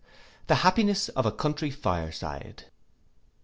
The happiness of a country fire side.